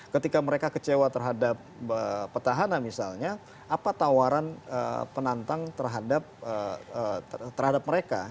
ketika mereka kecewa terhadap petahana misalnya apa tawaran penantang terhadap mereka